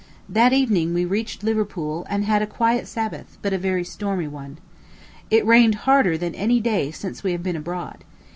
That evening we reached Liverpool, and had a quiet Sabbath, but a very stormy one. It rained harder than any day since we have been abroad.